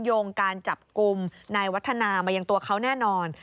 โยงการจับกลุ่มนายวัฒนามายังตัวเขาแน่นอน